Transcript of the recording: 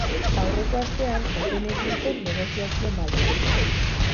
Aurreko astean eten egin zen negoziazio mahaia.